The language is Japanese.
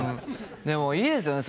でもいいですよね